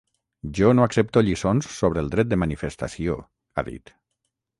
Jo no accepto lliçons sobre el dret de manifestació, ha dit.